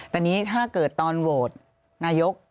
แต่นี้ถ้าเกิดตอนโหวตนายก